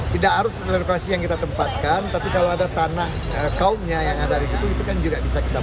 tidak harus relokasi yang kita tempatkan tapi kalau ada tanah kaumnya yang ada di situ itu kan juga bisa kita